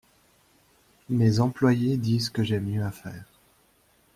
Mes employés disent que j'ai mieux à faire.